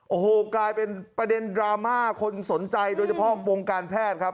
โอ้โหกลายเป็นประเด็นดราม่าคนสนใจโดยเฉพาะวงการแพทย์ครับ